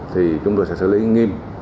thì chúng tôi sẽ xử lý nghiêm